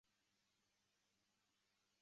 密切关注汛情预报